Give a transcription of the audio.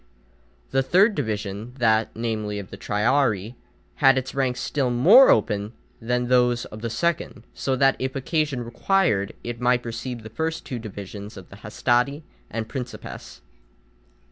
The third division, that, namely, of the triarii, had its ranks still more open than those of the second, so that, if occasion required, it might receive the first two divisions of the hastati and principes.